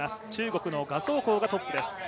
中国の賀相紅がトップにいます。